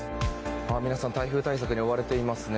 皆さん、台風対策に追われていますね。